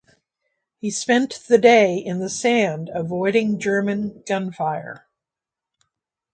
He spent the day in the sand avoiding German gunfire.